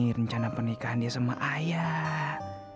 rencana pernikahan dia sama ayah